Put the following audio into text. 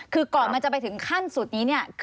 คือก่อนมันจะไปถึงขั้นสุดนี้เนี่ย